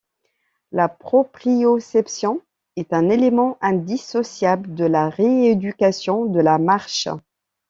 La proprioception est un élément indissociable de la rééducation de la marche.